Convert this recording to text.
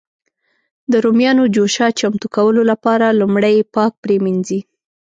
د رومیانو جوشه چمتو کولو لپاره لومړی یې پاک پرېمنځي.